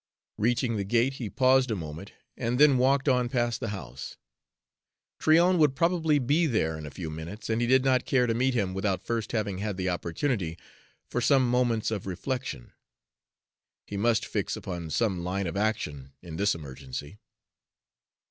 Reaching the gate, he paused a moment and then walked on past the house. Tryon would probably be there in a few minutes, and he did not care to meet him without first having had the opportunity for some moments of reflection. He must fix upon some line of action in this emergency.